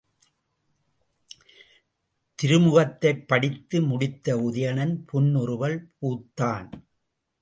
திருமுகத்தைப் படித்து முடித்த உதயணன் புன்முறுவல் பூத்தான்.